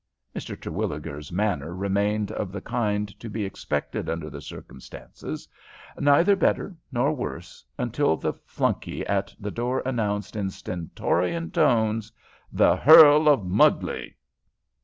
Mr. Terwilliger's manner remained of the kind to be expected under the circumstances, neither better nor worse, until the flunky at the door announced, in stentorian tones, "The Hearl of Mugley."